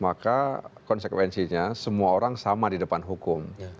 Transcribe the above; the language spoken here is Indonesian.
maka konsekuensinya semua orang sama di depan hukum